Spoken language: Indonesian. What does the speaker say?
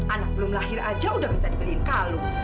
anak belum lahir aja udah minta dibeliin kalung